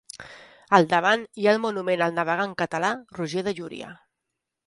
Al davant hi ha el monument al navegant català Roger de Llúria.